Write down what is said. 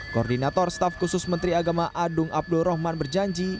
koordinator staf khusus menteri agama adung abdul rahman berjanji